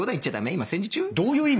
今戦時中？